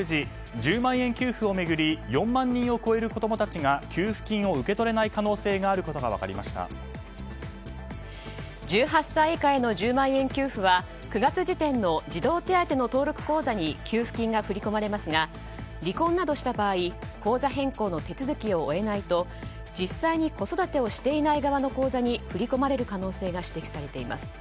１０万円給付を巡り４万人を超える子供たちが給付金を受け取れない可能性があることが１８歳以下への１０万円給付は９月時点の児童手当の登録口座に給付金が振り込まれますが離婚などした場合口座変更の手続きを終えないと実際に子育てをしていない側の口座に振り込まれる可能性が指摘されています。